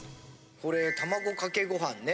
これ卵かけご飯ね。